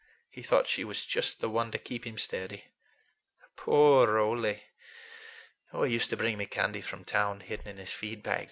He thought she was just the one to keep him steady. Poor Ole! He used to bring me candy from town, hidden in his feed bag.